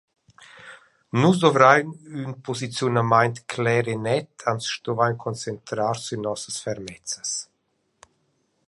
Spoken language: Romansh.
«Nus dovrain ün posiziunamaint cler e net, ans stuvain concentrar sün nossas fermezzas.»